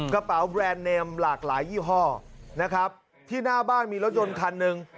กระเป๋าแบรนด์เนมหลากหลายยี่ห้อนะครับที่หน้าบ้านมีรถยนต์คันหนึ่ง